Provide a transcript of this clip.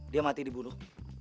dia mati dibunuh